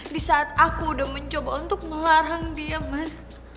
di saat aku udah mencoba untuk melarang dia mas